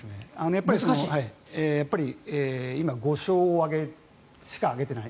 やっぱり今、５勝しか挙げてない。